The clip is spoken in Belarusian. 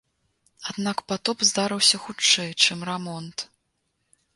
Аднак патоп здарыўся хутчэй, чым рамонт.